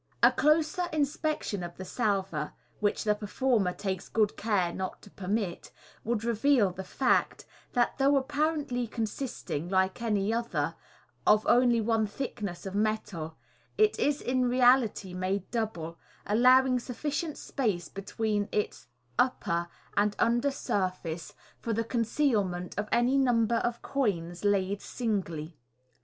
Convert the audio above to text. A closer inspection of the salver (which the performer takes good care not to permit) would reveal the fact, that though apparently con sisting, like any other, of only one thickness of metal, it is in reality made double, allowing sufficient space between its upper and under surface for the concealment of any number of coins laid singly.